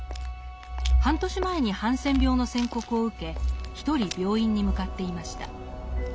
半年前にハンセン病の宣告を受け一人病院に向かっていました。